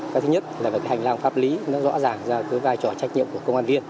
cái thứ nhất là về cái hành lang pháp lý nó rõ ràng ra cái vai trò trách nhiệm của công an viên